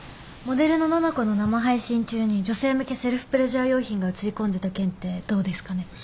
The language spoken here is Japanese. モデルのＮａＮａＫｏの生配信中に女性向けセルフプレジャー用品が映り込んでた件ってどうですかね？